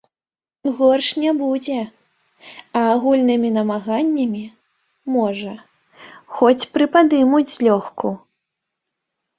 Горш не будзе, а агульнымі намаганнямі, можа, хоць прыпадымуць злёгку.